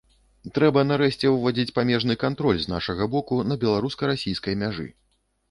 Трэба нарэшце ўводзіць памежны кантроль з нашага боку на беларуска-расійскай мяжы.